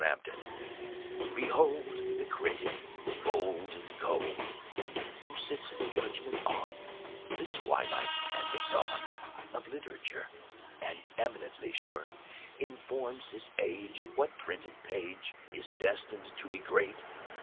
LAMPTON Behold The Critic, bold and cold, Who sits in judgment on The twilight and the dawn Of literature, And, eminently sure, Informs his age What printed page Is destined to be great.